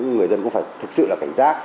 người dân cũng phải thực sự là cảnh giác